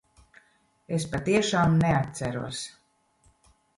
Es patiešām neatceros.